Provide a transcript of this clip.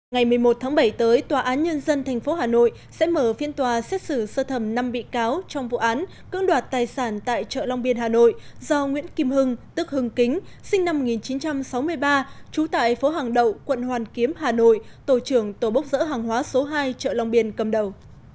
ngày một mươi một tháng bảy tới tòa án nhân dân tp hà nội sẽ mở phiên tòa xét xử sơ thẩm năm bị cáo trong vụ án cưỡng đoạt tài sản tại chợ long biên hà nội do nguyễn kim hưng tức hưng kính sinh năm một nghìn chín trăm sáu mươi ba trú tại phố hàng đậu quận hoàn kiếm hà nội tổ trưởng tổ bốc dỡ hàng hóa số hai chợ long biên cầm đầu